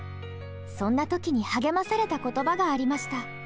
そんな時に励まされた言葉がありました。